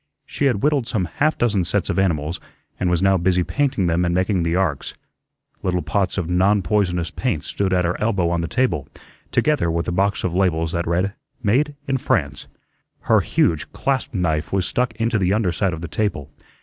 She had whittled some half dozen sets of animals, and was now busy painting them and making the arks. Little pots of "non poisonous" paint stood at her elbow on the table, together with a box of labels that read, "Made in France." Her huge clasp knife was stuck into the under side of the table.